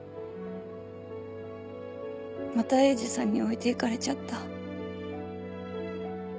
また鋭治さんに置いて行かれちゃった。